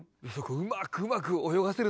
うまくうまく泳がせるというか。